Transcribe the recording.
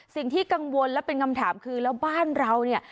สิ่งที่กังวลและเป็นคำถามคือแล้วบ้านเราเนี่ย